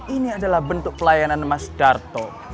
ini adalah bentuk pelayanan mas darto